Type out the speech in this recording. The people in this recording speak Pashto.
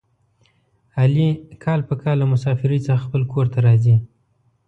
علي کال په کال له مسافرۍ څخه خپل کورته راځي.